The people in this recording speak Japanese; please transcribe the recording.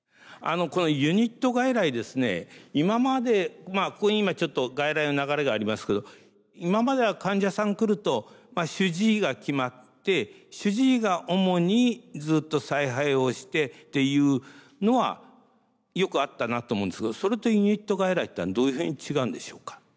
今までここに今ちょっと外来の流れがありますけど今までは患者さん来ると主治医が決まって主治医が主にずっと采配をしてっていうのはよくあったなと思うんですけどそれとユニット外来というのはどういうふうに違うんでしょうか？